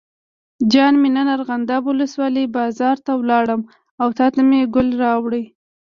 جان مې نن ارغنداب ولسوالۍ بازار ته لاړم او تاته مې ګل راوړل.